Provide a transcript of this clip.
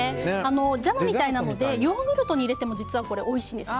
ジャムみたいなのでヨーグルトに入れても実はおいしいんです